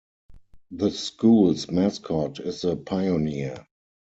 The school's mascot is the Pioneer.